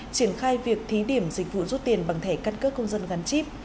triển khai việc thí điểm dịch vụ rút tiền bằng thẻ căn cước công dân gắn chip